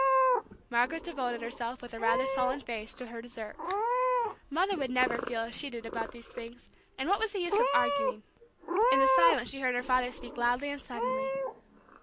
Margaret devoted herself, with a rather sullen face, to her dessert. Mother would never feel as she did about these things, and what was the use of arguing? In the silence she heard her father speak loudly and suddenly.